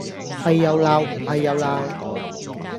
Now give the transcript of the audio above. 係又鬧唔係又鬧